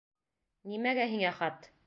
Нимәгә һиңә хат?